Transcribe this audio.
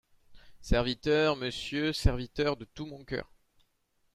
Serviteur, monsieur, serviteur, de tout mon cœur.